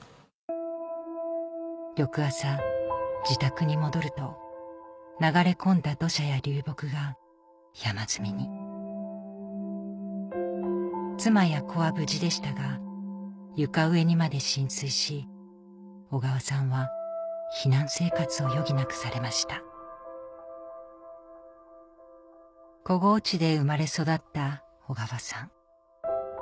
翌朝自宅に戻ると流れ込んだ土砂や流木が山積みに妻や子は無事でしたが床上にまで浸水し小川さんは避難生活を余儀なくされました小河内で生まれ育った小川さん